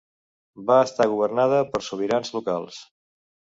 Va estar governada per sobirans locals.